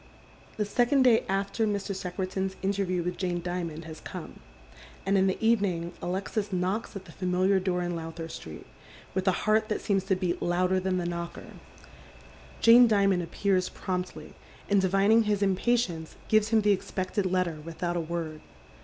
The second day after Mr. Secretan's interview with Jane Dimond lias come, and in the evening Alexis knocks at the fami'iar door in Lowther Street, with a heart that seems to beat louder than thl knocker. Jane Dimond appears promptly, and divining his impatience, t'ves him the expected letter without a word.